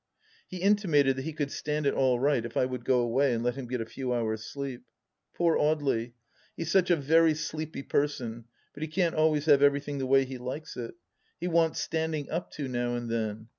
He intimated that he could stand it all right if I would go away and let him get a few hours' sleep. Poor Audely 1 He's such a very sleepy person, but he can't always have everythmg the way he likes it. He wants standing up to now and then.